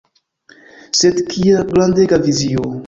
Sed kia grandega vizio!